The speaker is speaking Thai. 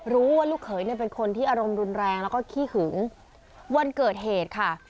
ลูกเขยเนี่ยเป็นคนที่อารมณ์รุนแรงแล้วก็ขี้หึงวันเกิดเหตุค่ะ